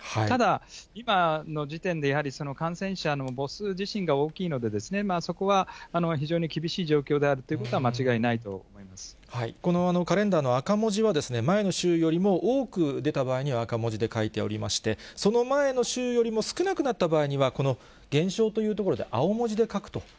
ただ、今の時点でやはり、感染者の母数自身が大きいので、そこは非常に厳しい状況であるとこのカレンダーの赤文字は、前の週よりも多く出た場合には赤文字で書いておりまして、その前の週よりも少なくなった場合には、この減少というところで青文字で書くと。